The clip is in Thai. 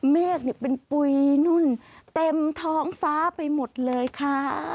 เมฆเป็นปุ๋ยนุ่นเต็มท้องฟ้าไปหมดเลยค่ะ